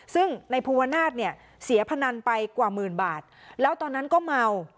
ซึ่งในภูวนาศเนี่ยเสียพนันไปกว่าหมื่นบาทแล้วตอนนั้นก็เมา